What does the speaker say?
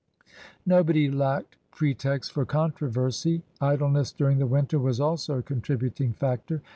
Nobody lacked pre texts for controversy. Idleness during the winter was also a contributing factor.